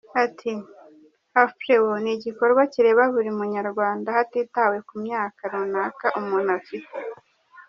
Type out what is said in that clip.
Ati “Aflewo ni igikorwa kireba buri mu Nyarwanda hatitawe ku myaka runaka umuntu afite.